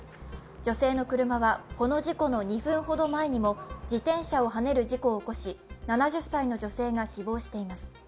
女性の車はこの事故の２分ほど前にも自転車をはねる事故を起こし、７０歳の女性が死亡しています。